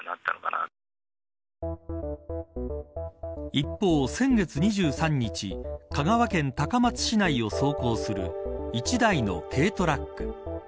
一方、先月２３日香川県高松市内を走行する１台の軽トラック。